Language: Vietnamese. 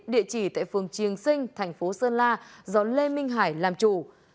địa chỉ tại phường triềng sinh thành phố sơn la do lê minh hải làm chủ